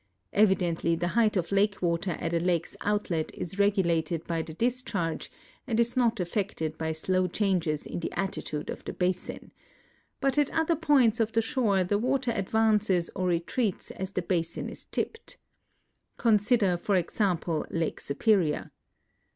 Evidently the height of lake water at a lake's outlet is regulated by the discharge and is not affected by slow changes in the attitude of the basin ; but at other points of tiie shore the water advances or retreats as the l)asin is tipt. Con sider, for example, Lake Superior.